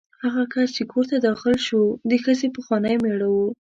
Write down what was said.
هغه کس چې کور ته داخل شو د ښځې پخوانی مېړه و.